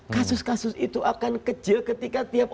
kasus kasus itu akan kecil ketika tiap orang